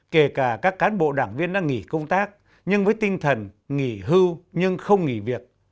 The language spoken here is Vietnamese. kể cả các cán bộ đảng viên đang nghỉ công tác nhưng với tinh thần nghỉ hưu nhưng không nghỉ việc